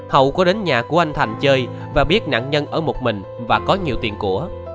hậu có đến nhà của anh thành chơi và biết nạn nhân ở một mình và có nhiều tiền của